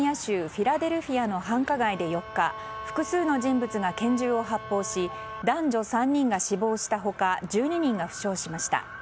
フィラデルフィアの繁華街で４日、複数の人物が拳銃を発砲し男女３人が死亡した他１２人が負傷しました。